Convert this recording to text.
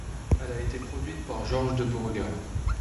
Elle a été produite par Georges de Beauregard.